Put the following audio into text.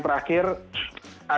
terima kasih pak